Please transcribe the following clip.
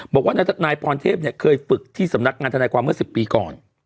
บอกว่านายพรเทพเคยฝึกที่สำนักงานทนายความเมื่อ๑๐ปีก่อน